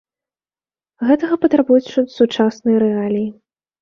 Гэтага патрабуюць сучасныя рэаліі.